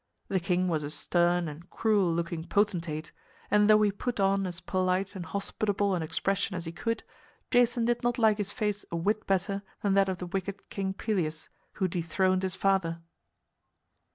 The king was a stern and cruel looking potentate, and though he put on as polite and hospitable an expression as he could, Jason did not like his face a whit better than that of the wicked King Pelias, who dethroned his father.